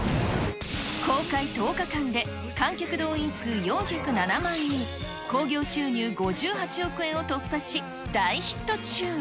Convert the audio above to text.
公開１０日間で観客動員数４０７万人、興行収入５８億円を突破し、大ヒット中。